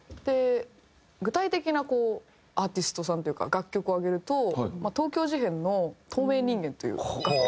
具体的なアーティストさんというか楽曲を挙げると東京事変の『透明人間』という楽曲。